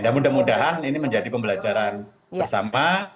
dan mudah mudahan ini menjadi pembelajaran bersama